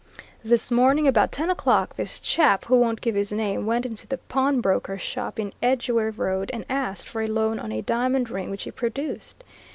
This morning, about ten o'clock, this chap, who won't give his name, went into the pawnbroker's shop in Edgware Road, and asked for a loan on a diamond ring which he produced.